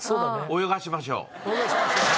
泳がしましょう。